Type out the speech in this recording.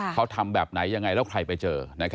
เขาทำแบบไหนยังไงแล้วใครไปเจอ